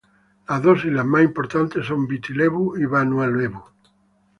Las dos islas más importantes son Viti Levu y Vanua Levu.